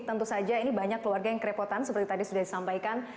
tentu saja ini banyak keluarga yang kerepotan seperti tadi sudah disampaikan